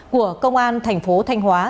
của công an thành phố thanh hóa